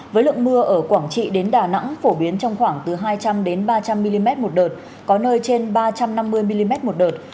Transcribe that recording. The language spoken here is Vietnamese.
với lượng mưa ở quảng trị đến đà nẵng phổ biến trong khoảng từ hai trăm linh ba trăm linh mm một đợt có nơi trên ba trăm năm mươi mm một đợt